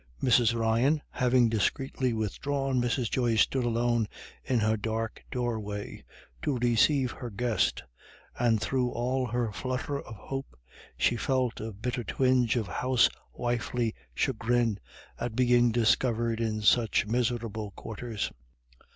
Mrs. Ryan having discreetly withdrawn, Mrs. Joyce stood alone in her dark doorway to receive her guest, and, through all her flutter of hope, she felt a bitter twinge of housewifely chagrin at being discovered in such miserable quarters.